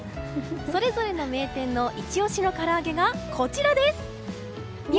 それぞれの名店のイチ押しのからあげがこちらです。